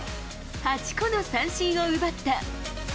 ８個の三振を奪った。